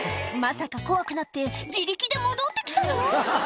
「まさか怖くなって自力で戻って来たの？」